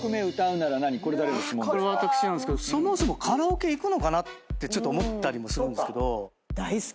これ私なんですけどそもそもカラオケ行くのかなってちょっと思ったりもするんですけど。